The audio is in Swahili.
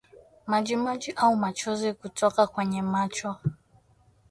Majimaji au machozi kutoka kwenye macho